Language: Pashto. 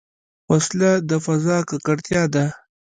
وسله د فضا ککړتیا ده